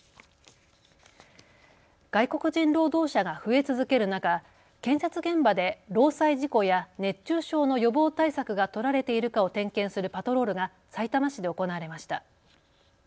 外国人労働者が増え続ける中、建設現場で労災事故や熱中症の予防対策が取られているかを点検するパトロールがさいたま市で行われました。